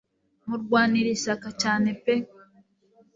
murwanire ishyaka cyane pe